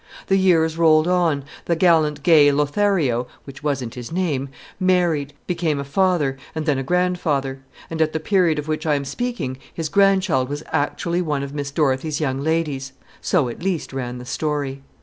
The years rolled on, the gallant gay Lothario which wasn't his name married, became a father, and then a grandfather; and at the period of which I am speaking his grandchild was actually one of Miss Dorothy's young ladies. So, at least, ran the story.